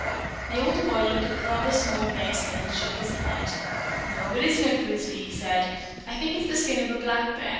The older boy looked at the rather small bearskin and shook his head. "No, it isn't a grizzly," he said. "I think it is the skin of a black bear.